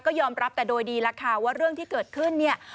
ก็ยอมรับแต่โดยดีแล้วค่ะว่าเรื่องที่เกิดขึ้นเนี่ย